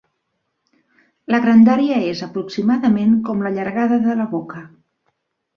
La grandària és, aproximadament, com la llargada de la boca.